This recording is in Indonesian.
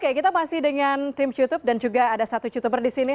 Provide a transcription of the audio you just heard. oke kita masih dengan tim youtube dan juga ada satu youtuber di sini